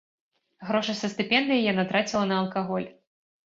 Грошы са стыпендыі яна траціла на алкаголь.